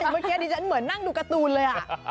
เมื่อกี้ดิฉันเหมือนนั่งดูการ์ตูนเลย